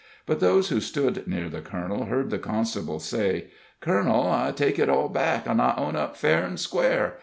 But those who stood near the colonel heard the constable say: "Colonel, I take it all back, an' I own up fair an' square.